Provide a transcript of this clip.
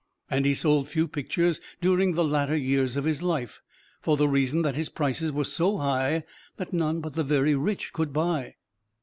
And he sold few pictures during the latter years of his life, for the reason that his prices were so high that none but the very rich could buy.